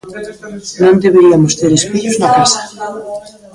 Non deberiamos ter espellos na casa.